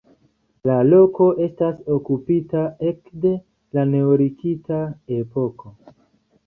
La loko estas okupita ekde la neolitika epoko.